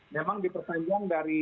memang dipertanjong dari